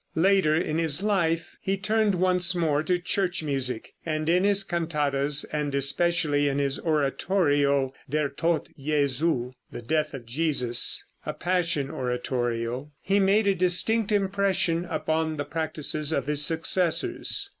Later in his life he turned once more to church music, and in his cantatas, and especially in his oratorio, "Der Tod Jesu" ("The Death of Jesus"), a Passion oratorio, he made a distinct impression upon the practices of his successors.